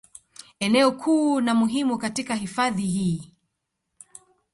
Eneo kuu na muhimu katika hifadhi hii